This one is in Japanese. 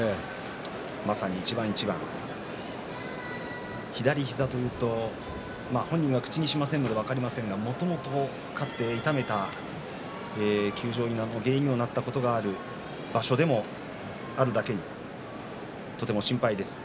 まさに一番一番左膝というと本人は口にしませんがもともとかつて痛めた休場の原因になったことがある場所でもあるだけにとても心配ですね。